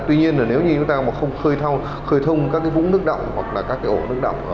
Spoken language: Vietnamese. tuy nhiên là nếu như chúng ta không khơi thông các cái vũng nước đậm hoặc là các cái ổ nước đậm